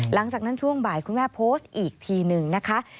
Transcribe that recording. หลังจากนั้นช่วงบ่ายคุณแม่โพสต์อีกทีหนึ่งนะคะ